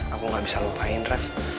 aku gak bisa lupain